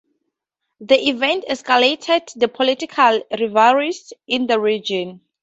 The event escalated the political rivalries in the region.